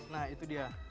nah itu dia